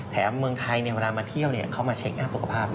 แถมเมืองไทยเวลามาเที่ยวเขามาเช็คอาวิธีศักดิ์ภาพด้วย